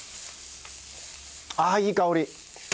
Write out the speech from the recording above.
ああいい香り！